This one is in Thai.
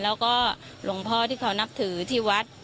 แล้วก็หลวงพ่อที่เขานับถือที่วัด